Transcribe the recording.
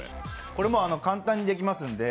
これは簡単にできますので。